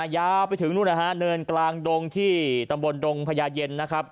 ยาวไปถึงเนินกลางดงที่ตำบลดงพญาเย็น